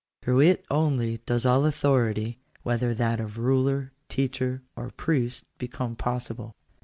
Through it only does all authority, whether that of ruler, teacher, or priest, be come possible.